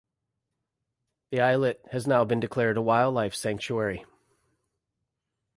The islet has now been declared a wildlife sanctuary.